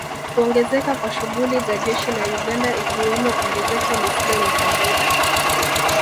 Kuongezeka kwa shughuli za jeshi la Uganda ikiwemo ongezeko lisilo la kawaida